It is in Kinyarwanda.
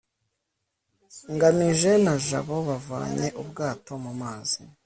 ngamije na jabo bavanye ubwato mu mazi